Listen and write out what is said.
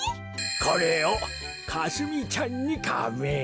これをかすみちゃんにカメ！